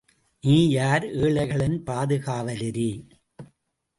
நீ யார்? ஏழைகளின் பாதுகாவலரே!